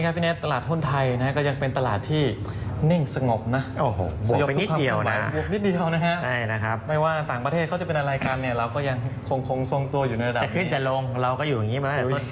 จะขึ้นจะลงเราก็อยู่อย่างนี้มาตั้งแต่ต้นปีนะครับ